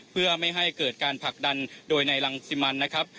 เพื่อไม่ให้เกิดการผลักดันโดยในรังสิมันนะครับ